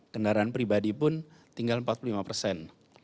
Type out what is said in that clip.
kendaraan pribadi pun tinggal empat puluh lima persen